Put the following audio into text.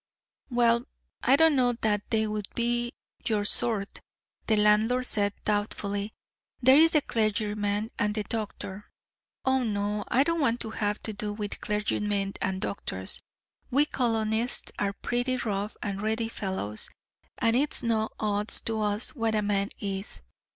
"Well, I don't know that they would be your sort," the landlord said, doubtfully. "There's the clergyman and the doctor " "Oh, no. I don't want to have to do with clergymen and doctors we colonists are pretty rough and ready fellows, and it's no odds to us what a man is.